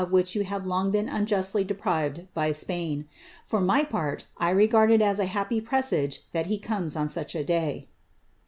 201 rhich yoQ have long been unjastlj deprived by Spain. For my part, gard it as a happy presage that he comes on such a day."